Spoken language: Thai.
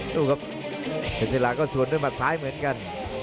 ดูครับเพชรศิลาก็สวนด้วยหมัดซ้ายเหมือนกัน